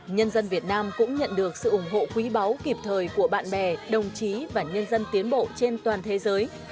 nhân dân việt nam cũng nhận được sự ủng hộ quý báu kịp thời của bạn bè đồng chí và nhân dân tiến bộ trên toàn thế giới